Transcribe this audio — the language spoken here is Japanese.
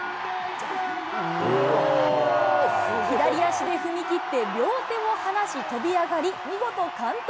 左足で踏み切って、両手を離し、飛び上がり、見事完登。